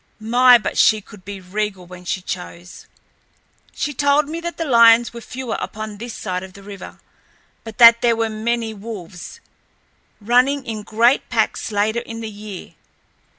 My, but she could be regal when she chose! She told me that the lions were fewer upon this side of the river, but that there were many wolves, running in great packs later in the year.